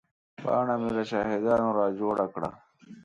پاڼه مې له شاهدانو را جوړه کړه.